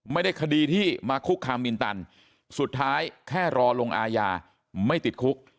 คดีที่มาคุกคามินตันสุดท้ายแค่รอลงอาญาไม่ติดคุก